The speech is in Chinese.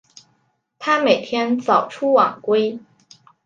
他每天早出晚归